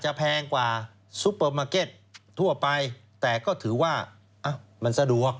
แพงกว่าซุปเปอร์มาร์เก็ตทั่วไปแต่ก็ถือว่ามันสะดวก